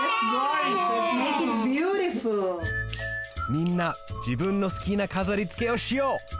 みんなじぶんのすきなかざりつけをしよう！